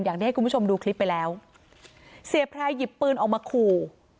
อย่างที่ให้คุณผู้ชมดูคลิปไปแล้วเสียแพร่หยิบปืนออกมาขู่